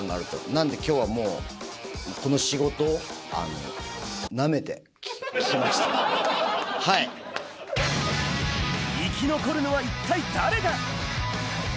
なんで、きょうはもう、この仕事生き残るのは一体誰だ？